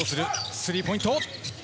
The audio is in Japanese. スリーポイント。